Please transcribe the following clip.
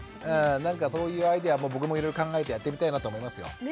なんかそういうアイデアも僕もいろいろ考えてやってみたいなと思いますよ。